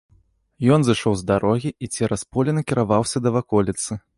Ён зышоў з дарогі і цераз поле накіраваўся да ваколіцы.